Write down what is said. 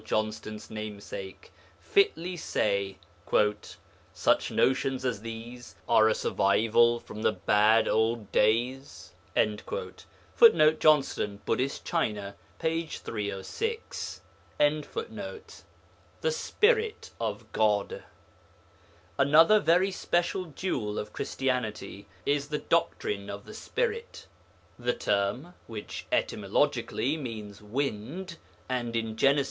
Johnston's namesake, fitly say, 'Such notions as these are a survival from the bad old days'? [Footnote: Johnston, Buddhist China, p. 306.] THE SPIRIT OF GOD Another very special jewel of Christianity is the doctrine of the Spirit. The term, which etymologically means 'wind,' and in Gen. i.